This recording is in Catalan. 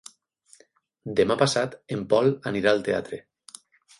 Demà passat en Pol anirà al teatre.